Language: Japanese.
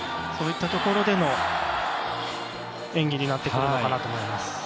そういったところでの演技になってくるのかなと思います。